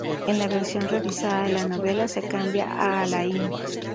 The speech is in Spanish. En la versión revisada de la novela se cambia a Alain.